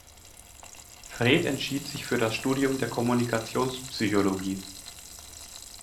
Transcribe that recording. Fred entschied sich für das Studium der Kommunikationspsychologie.